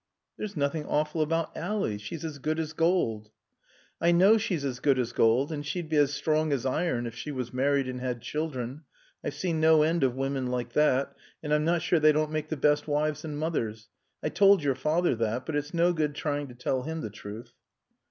"There's nothing awful about Ally. She's as good as gold." "I know she's as good as gold. And she'd be as strong as iron if she was married and had children. I've seen no end of women like that, and I'm not sure they don't make the best wives and mothers. I told your father that. But it's no good trying to tell him the truth."